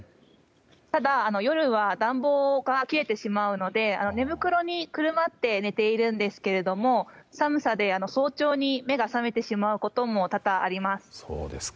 ただ、夜は暖房が切れてしまうので寝袋にくるまって寝ているんですが寒さで早朝に目が覚めてしまうことも多々あります。